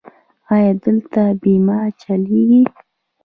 ایا دلته بیمه چلیږي؟